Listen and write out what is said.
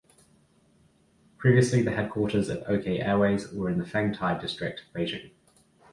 Previously the headquarters of Okay Airways were in the Fengtai District, Beijing.